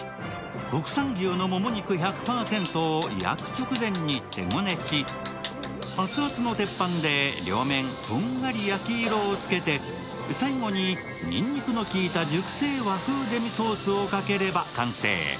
国産牛のもも肉１００％を焼く直前に手ごねし熱々の鉄板で両面こんがり焼き色をつけて最後に、にんにくのきいた熟成和風デミソースをかければ完成。